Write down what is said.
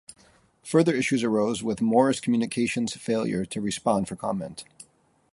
Further issues arose with Morris Communications' failure to respond for comment.